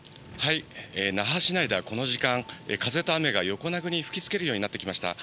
那覇市内ではこの時間、風と雨が横殴りに吹きつけるようになってきました。